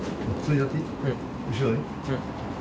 後ろに？